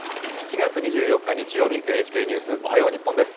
７月２４日日曜日、ＮＨＫニュースおはよう日本です。